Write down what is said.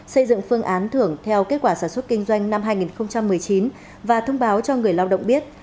xây dựng phương án thưởng theo kết quả sản xuất kinh doanh năm hai nghìn một mươi chín và thông báo cho người lao động biết